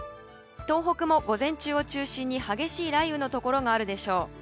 東北も午前中を中心に激しい雷雨のところがあるでしょう。